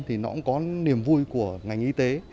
thì nó cũng có niềm vui của ngành y tế